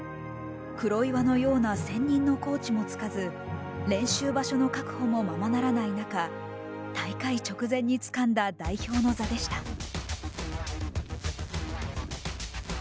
黒岩のような専任のコーチもつかず練習場所の確保もままならない中大会直前につかんだ代表の座でした。